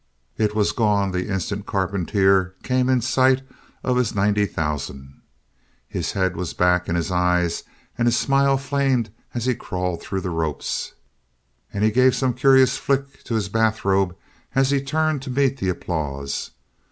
It was gone the instant Carpentier came in sight of his ninety thousand. His head was back and his eyes and his smile flamed as he crawled through the ropes. And he gave some curious flick to his bathrobe as he turned to meet the applause.